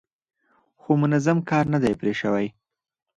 خو منظم کار نه دی پرې شوی.